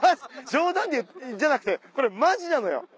冗談じゃなくてこれマジなのよ。